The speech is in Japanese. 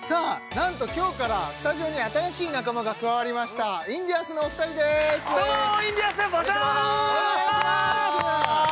なんと今日からスタジオに新しい仲間が加わりましたインディアンスのお二人ですどうもインディアンスですお願いします